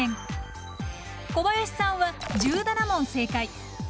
小林さんは１７問正解。